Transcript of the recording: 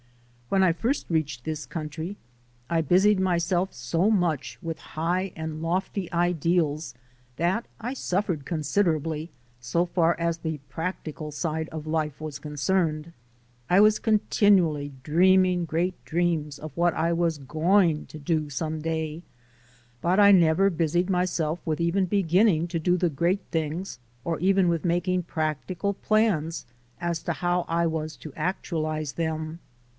When I first reached this country I busied myself so much with high and lofty ideals that I suffered considerably, so far as the practical side of life was concerned. I was continually dreaming great dreams of what I was going to do some day, but I never busied myself with even beginning to do the great things, or even with making practical plans as to how I was to actualize them.